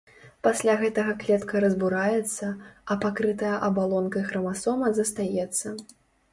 Пасля гэтага клетка разбураецца, а пакрытая абалонкай храмасома застаецца.